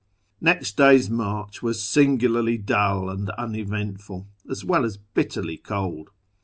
Next day's march was singularly dull and uneventful, as well as bitterly cold.